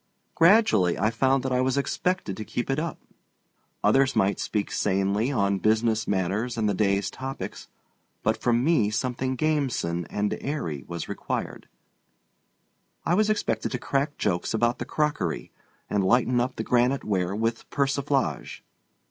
Gradually I found that I was expected to keep it up. Others might speak sanely on business matters and the day's topics, but from me something gamesome and airy was required. I was expected to crack jokes about the crockery and lighten up the granite ware with persiflage.